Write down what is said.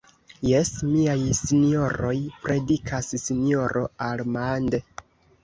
Jes, miaj sinjoroj, predikas sinjoro Armand.